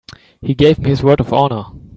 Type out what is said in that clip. He gave me his word of honor.